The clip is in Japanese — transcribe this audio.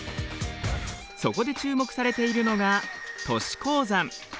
そこで注目されているのが都市鉱山。